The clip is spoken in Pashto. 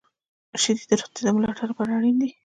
• شیدې د روغتیا د ملاتړ لپاره اړینې دي.